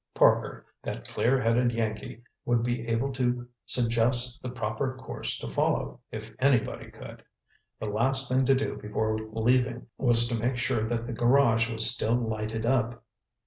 Parker, that clear headed Yankee, would be able to suggest the proper course to follow, if anybody could. The last thing to do before leaving, was to make sure that the garage was still lighted up.